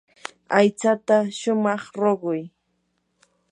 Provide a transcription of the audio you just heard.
aychata shumaq ruquy.